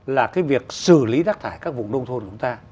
là cái việc xử lý rác thải các vùng nông thôn của chúng ta